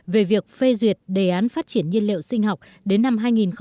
về việc phê duyệt đề án phát triển nhiên liệu sinh học đến năm hai nghìn một mươi năm